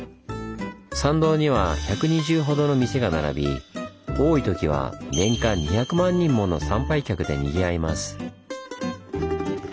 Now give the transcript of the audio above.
参道には１２０ほどの店が並び多いときは年間２００万人もの参拝客でにぎわいます。